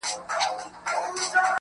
په هغه ورځ به بس زما اختر وي.